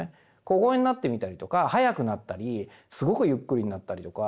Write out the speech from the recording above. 小声になってみたりとか早くなったりすごくゆっくりになったりとか。